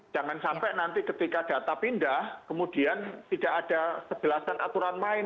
jangan sampai nanti ketika data pindah kemudian tidak ada sebelasan aturan main